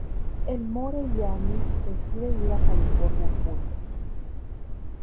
Elmore y Amy decide ir a California juntos.